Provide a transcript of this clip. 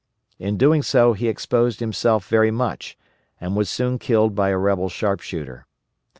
In doing so he exposed himself very much and was soon killed by a rebel sharpshooter.